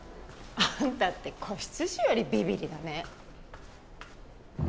あんたって子羊よりビビリだね！